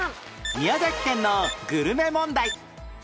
宮崎県のグルメ問題